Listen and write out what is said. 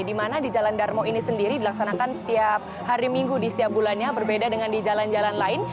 di mana di jalan darmo ini sendiri dilaksanakan setiap hari minggu di setiap bulannya berbeda dengan di jalan jalan lain